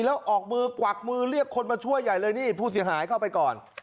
แล้วออกมือกวักมือเรียกคนมาช่วยใหญ่เลยนี่ผู้เสียหายเข้าไปก่อน